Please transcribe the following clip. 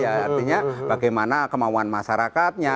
artinya bagaimana kemauan masyarakatnya